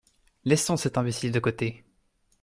Laissons cet imbécile de côté !